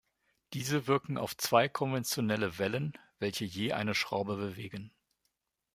Diese wirken auf zwei konventionelle Wellen, welche je eine Schraube bewegen.